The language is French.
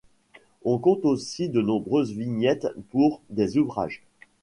On compte aussi de nombreuses vignettes pour des ouvrages.